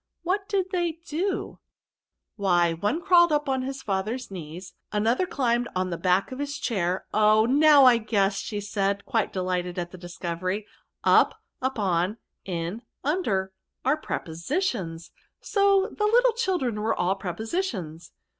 What did they do ?".'* Why one crawled up his &ther*s knees, another climbed on the back of his chair — oh ! now I guess/' said she, quite delighted at the discovery. " Up, upon, in, under, are prepositions ; so the little children were all Prepositions."